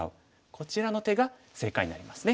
こちらの手が正解になりますね。